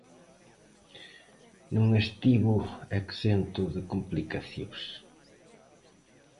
Non estivo exento de complicacións.